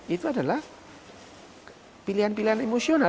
itu adalah pilihan pilihan emosional